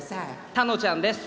たのちゃんです！